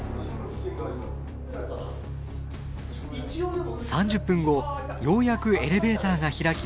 ３０分後ようやくエレベーターが開き建物から脱出。